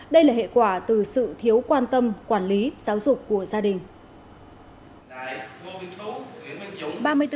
đây là hệ quả từ sự thiếu quan tâm quản lý giáo dục của gia đình